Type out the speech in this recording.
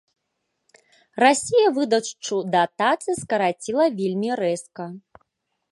Расія выдачу датацый скараціла вельмі рэзка.